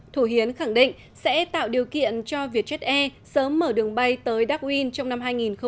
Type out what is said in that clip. thủ hiến khẳng định sẽ tạo điều kiện cho vietjet air sớm mở đường bay tới darwin trong năm hai nghìn một mươi chín